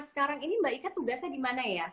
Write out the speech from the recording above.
sekarang ini mbak ika tugasnya dimana ya